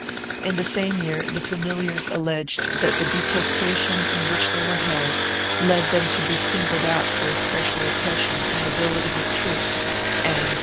4 In the same year the famil iars alleged that the detestation in which they were held led them to be singled out for especial oppression in the billeting of troops 1 Proceso contra Juan Requesens (MSS.